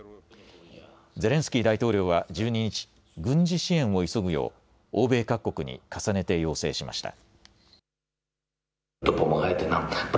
ゼレンスキー大統領は１２日、軍事支援を急ぐよう欧米各国に重ねて要請しました。